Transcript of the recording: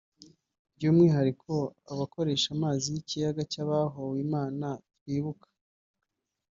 by’umwihariko abakoresha amazi y’ikiyaga cy’abahowe Imana twibuka